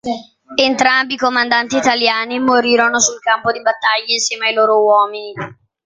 Entrambi i comandanti italiani morirono sul campo di battaglia insieme ai loro uomini.